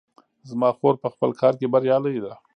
زما خور په خپل کار کې بریالۍ ده